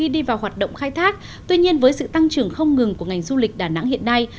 đến với sự tăng trưởng không ngừng của ngành du lịch đà nẵng hiện nay